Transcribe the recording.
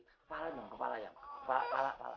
kepala dong kepala ya kepala kepala